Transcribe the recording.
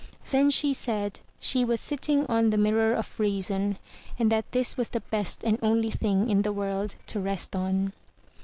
Then she said she was sitting on the Mirror of Reason, and that this was the best and only thing in the world to rest on.